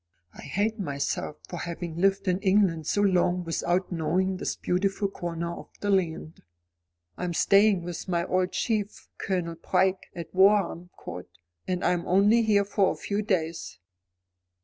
I hate myself for having lived in England so long without knowing this beautiful corner of the land. I am staying with my old chief, Colonel Pryke, at Warham Court, and I'm only here for a few days."